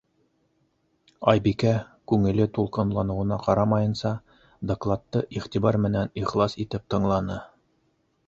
Айбикә, күңеле тулҡынланыуына ҡарамайынса, докладты иғтибар менән ихлас итеп тыңланы.